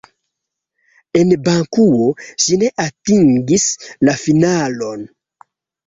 En Bakuo ŝi ne atingis la finalon.